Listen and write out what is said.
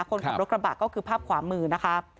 คนขับรถกระบะก็คือภาพขวามือนะคะ